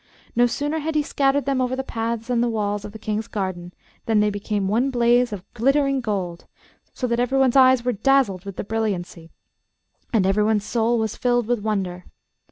No sooner had he scattered them over the paths and walls of the King's garden than they became one blaze of glittering gold, so that everyone's eyes were dazzled with the brilliancy, and everyone's soul was filled with wonder.